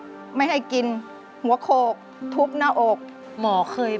รายการต่อไปนี้เป็นรายการทั่วไปสามารถรับชมได้ทุกวัย